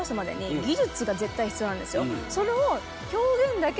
それを。